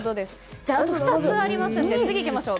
じゃあ、あの２つありますので次にいきましょう。